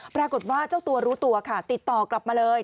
ปรากฏว่าเจ้าตัวรู้ตัวค่ะติดต่อกลับมาเลย